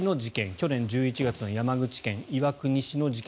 去年１１月の山口県岩国市の事件